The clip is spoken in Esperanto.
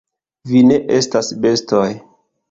Vi ne estas bestoj!